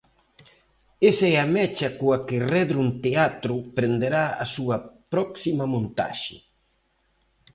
Esa é a mecha coa que Redrum Teatro prenderá a súa próxima montaxe.